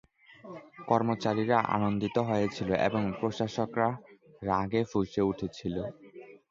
কর্মচারীরা আনন্দিত হয়েছিল আর প্রশাসকরা রাগে ফুঁসে উঠেছিল।